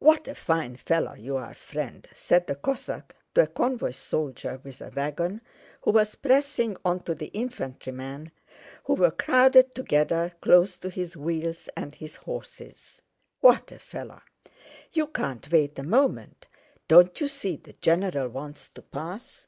"What a fine fellow you are, friend!" said the Cossack to a convoy soldier with a wagon, who was pressing onto the infantrymen who were crowded together close to his wheels and his horses. "What a fellow! You can't wait a moment! Don't you see the general wants to pass?"